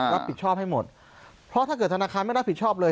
รับผิดชอบให้หมดเพราะถ้าเกิดธนาคารไม่รับผิดชอบเลย